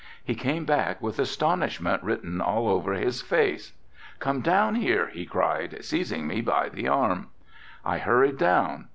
He came back with astonishment written all over his face. "Come down here," he cried, seizing me by the arm. I hurried down.